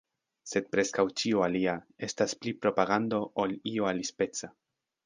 Sed preskaŭ ĉio alia estas pli propagando ol io alispeca.